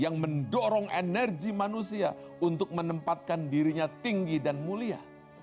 yang mendorong energi manusia untuk menempatkan dirinya tinggi dan mulia